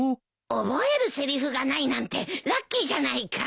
覚えるせりふがないなんてラッキーじゃないか。